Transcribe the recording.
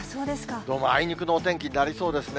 どうもあいにくのお天気になりそうですね。